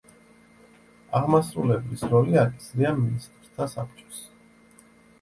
აღმასრულებლის როლი აკისრია მინისტრთა საბჭოს.